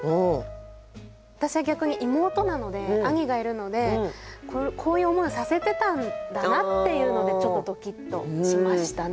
私は逆に妹なので兄がいるのでこういう思いをさせてたんだなっていうのでちょっとドキッとしましたね。